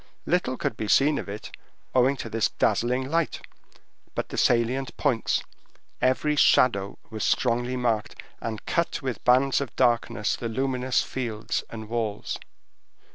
Little could be seen of it, owing to this dazzling light, but the salient points; every shadow was strongly marked, and cut with bands of darkness the luminous fields and walls.